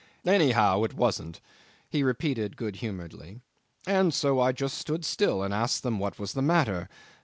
... "Anyhow it wasn't," he repeated good humouredly, "and so I just stood still and asked them what was the matter.